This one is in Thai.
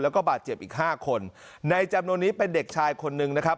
แล้วก็บาดเจ็บอีกห้าคนในจำนวนนี้เป็นเด็กชายคนนึงนะครับ